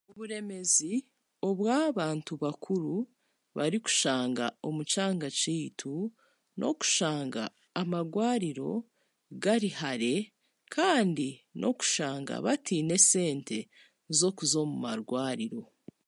Oburemeezi obu abantu bakuru barikushanga omu kyana kyaitu nokusana amagwariro gari hare kandi n'okushanga batiaine sente z'okuza omu marwariro